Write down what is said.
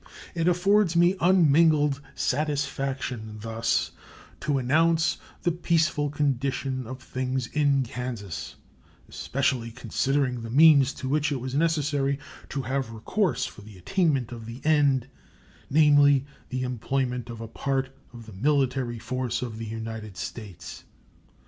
It affords me unmingled satisfaction thus to announce the peaceful condition of things in Kansas, especially considering the means to which it was necessary to have recourse for the attainment of the end, namely, the employment of a part of the military force of the United States.